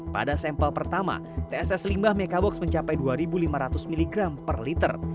pada sampel pertama tss limbah mekabox mencapai dua lima ratus mg per liter